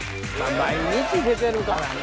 毎日出てるからな・